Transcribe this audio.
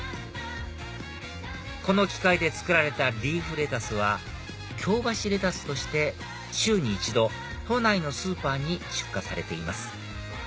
この機械で作られたリーフレタスは京橋レタスとして週に１度都内のスーパーに出荷されています